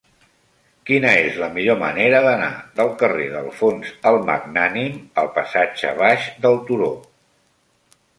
Quina és la millor manera d'anar del carrer d'Alfons el Magnànim al passatge Baix del Turó?